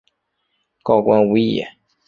告官无益也。